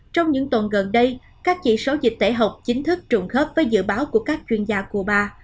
trong những tuần gần đây các chỉ số dịch tễ học chính thức trùng khớp với dự báo của các chuyên gia cuba